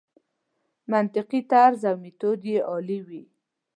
منطقي طرز او میتود یې عالي وي.